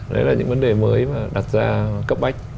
đấy là những vấn đề mới mà đặt ra cấp bách